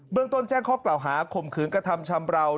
เมืองต้นแจ้งข้อกล่าวหาข่มขืนกระทำชำราว